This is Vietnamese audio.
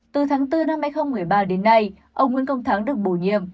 từ tháng bốn năm hai nghìn một mươi ba đến nay ông nguyễn công thắng được bổ nhiệm